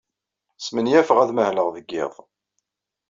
Smenyafeɣ ad mahleɣ deg iḍ.